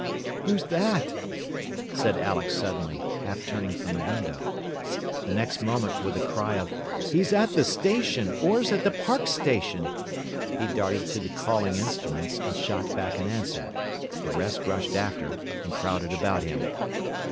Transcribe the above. "Who's that?" said Alex suddenly, half turning from the window. The next moment with a cry of "He's at the station! Orr's at the Park station!" he darted to the calling instruments, and shot back an answer. The rest rushed after, and crowded about him.